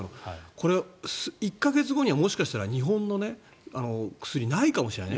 これ、１か月後にはもしかしたら日本の薬、ないかもしれないね。